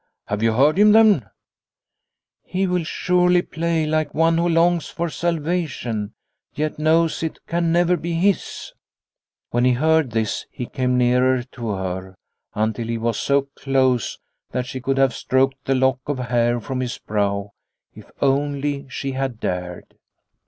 " Have you heard him then ?"" He will surely play like one who longs for salvation, yet knows it can never be his." When he heard this he came nearer to her, until he was so close that she could have stroked the lock of hair from his brow if only she had dared.